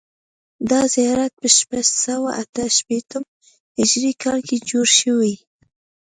دا زیارت په شپږ سوه اته شپېتم هجري کال کې جوړ شوی.